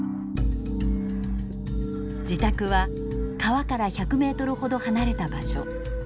自宅は川から１００ｍほど離れた場所。